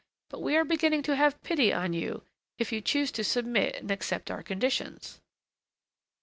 But we are beginning to have pity on you, if you choose to submit and accept our conditions."